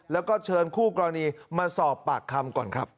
แล้วก็เชิญคู่กรณีมาสอบปากคำก่อนครับ